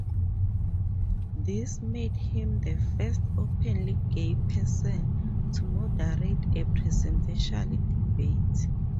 This made him the first openly gay person to moderate a presidential debate.